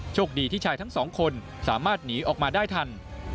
โชคดีที่ชายทั้งสองคนสามารถหนีออกมาได้ทัน